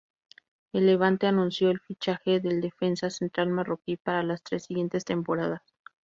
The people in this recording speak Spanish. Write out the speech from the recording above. El Levante anunció el fichaje del defensa central marroquí para las tres siguientes temporadas.